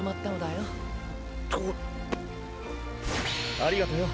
ありがとよ